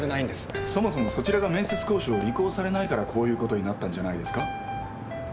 そもそもそちらが面接交渉を履行されないからこういうことになったんじゃないですか。